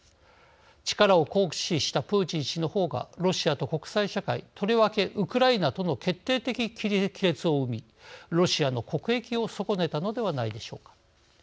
力を行使したプーチン氏の方がロシアと国際社会とりわけウクライナとの決定的亀裂を生みロシアの国益を損ねたのではないでしょうか。